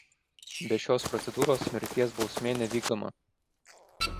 Be šios procedūros mirties bausmė nevykdoma.